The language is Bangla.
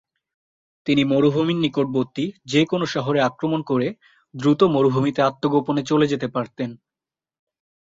তিনি মরুভূমির নিকটবর্তী যে-কোনো শহরে আক্রমণ করে দ্রুত মরুভূমিতে আত্মগোপনে চলে যেতে পারতেন।